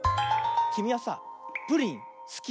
きみはさプリンすき？